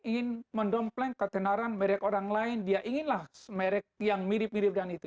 ingin mendompleng katenaran merk orang lain dia inginlah merk yang mirip mirip dengan itu